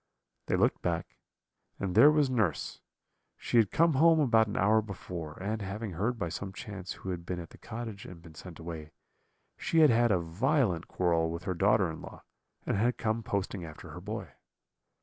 "They looked back, and there was nurse; she had come home about an hour before, and having heard by some chance who had been at the cottage and been sent away, she had had a violent quarrel with her daughter in law, and had come posting after her boy.